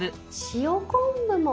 塩昆布も？